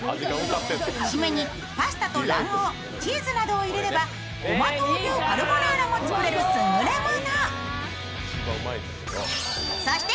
締めにパスタと卵黄、チーズなどを入れればごま豆乳カルボナーラも作れるすぐれもの。